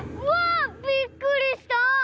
うわっびっくりした。